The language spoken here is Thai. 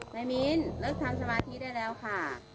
มิ้นเลิกทำสมาธิได้แล้วค่ะ